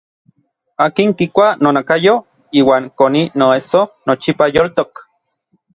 Akin kikua nonakayo iuan koni noesso nochipa yoltok.